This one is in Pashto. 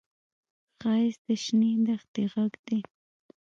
ښایست د شنې دښتې غږ دی